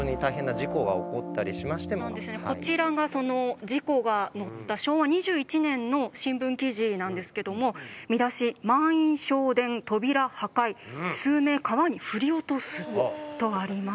こちらがその事故が載った昭和２１年の新聞記事なんですけども見出し「満員省電扉破壊数名河に振り落とす」とあります。